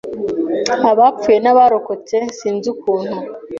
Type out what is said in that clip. abapfuye n’abarokotse sinzi ukuntu